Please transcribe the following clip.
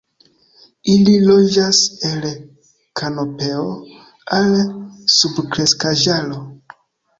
Ili loĝas el kanopeo al subkreskaĵaro.